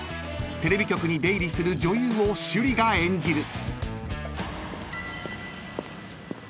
［テレビ局に出入りする女優を趣里が演じる］